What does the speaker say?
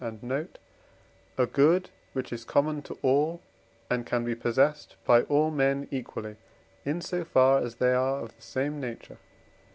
and note) a good which is common to all and can be possessed by all men equally, in so far as they are of the same nature.